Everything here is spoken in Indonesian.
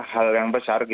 hal yang besar